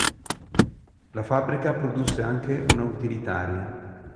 La fabbrica produsse anche una utilitaria.